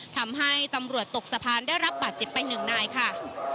ทำให้ตำรวจตกสะพานได้รับบัตร๗ไป๑นายค่ะ